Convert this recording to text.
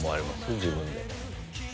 自分で。